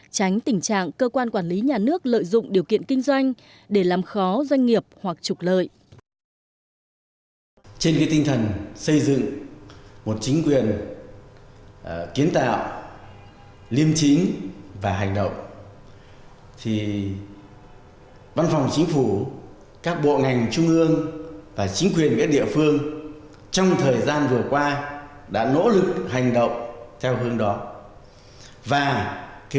tránh tình trạng cơ quan quản lý nhà nước lợi dụng điều kiện kinh doanh để làm khó doanh nghiệp hoặc trục lợi